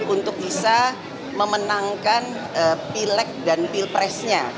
untuk bisa memenangkan pilek dan pilpresnya